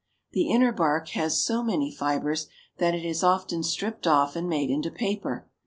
The inner bark has so many fibers that it is often stripped off and made into paper.